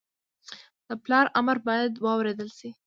د پلار امر باید واورېدل شي